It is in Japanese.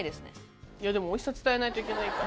でもおいしさ伝えないといけないから。